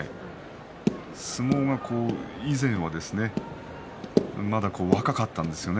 相撲が以前はまだ若かったんですね